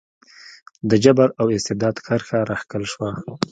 د جبر او استبداد کرښه راښکل شوه.